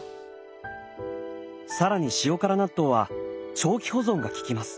更に塩辛納豆は長期保存がききます。